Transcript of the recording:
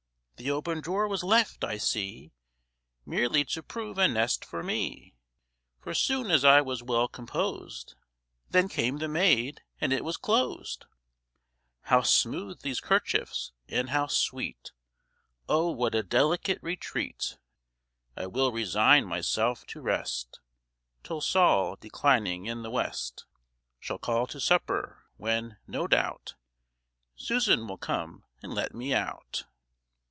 The open drawer was left, I see, Merely to prove a nest for me, For soon as I was well composed, Then came the maid, and it was closed, How smooth these 'kerchiefs, and how sweet! O what a delicate retreat! I will resign myself to rest Till Sol, declining in the west, Shall call to supper, when, no doubt, Susan will come and let me out."